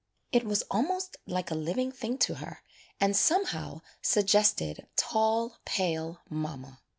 It was almost like a living thing to her and somehow sug gested tall, pale mamma.